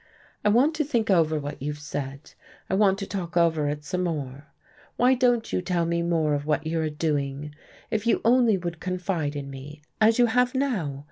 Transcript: I want to think over what you've said, I want to talk over it some more. Why won't you tell me more of what you are doing? If you only would confide in me as you have now!